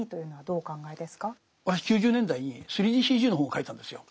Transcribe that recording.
私９０年代に３ＤＣＧの本を書いたんですよ。